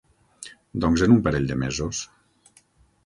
Doncs en un parell de mesos.